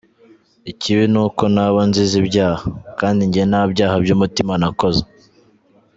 Ikibi ni uko naba nzize ibyaha, kandi njye nta byaha by’umutima nakoze.